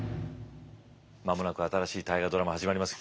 間もなく新しい「大河ドラマ」始まりますよ。